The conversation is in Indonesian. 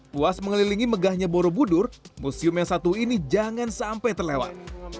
puas mengelilingi megahnya borobudur museum yang satu ini jangan sampai terlewat